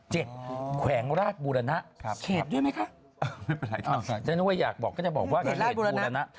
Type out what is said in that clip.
ฉันนึกว่าอยากบอกก็จะบอกว่าเหตุบุรณะ